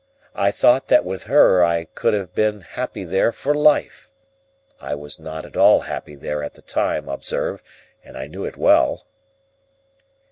I thought that with her I could have been happy there for life. (I was not at all happy there at the time, observe, and I knew it well.)